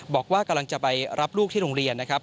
บอกว่ากำลังจะไปรับลูกที่โรงเรียนนะครับ